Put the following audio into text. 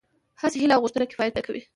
هسې هيله او غوښتنه کفايت نه کوي.